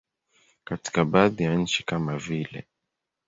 Katika baadhi ya nchi kama vile.